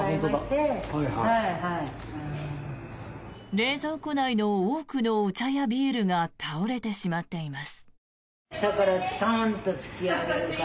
冷蔵庫内の多くのお茶やビールが倒れてしまっています。